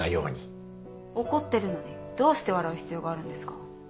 怒ってるのにどうして笑う必要があるんですか？